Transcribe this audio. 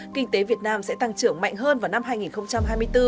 kinh tế việt nam sẽ tăng trưởng mạnh hơn vào năm hai nghìn hai mươi bốn